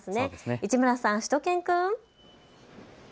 市村さん、しゅと犬くん。